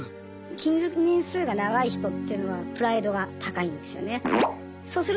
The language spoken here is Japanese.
勤続年数が長い人っていうのはプライドが高いんですよね。